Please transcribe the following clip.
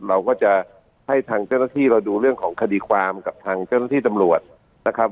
เราก็จะให้ทางเจ้าหน้าที่เราดูเรื่องของคดีความกับทางเจ้าหน้าที่ตำรวจนะครับ